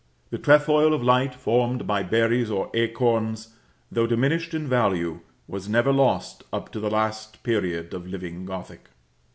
The trefoil of light formed by berries or acorns, though diminished in value, was never lost up to the last period of living Gothic.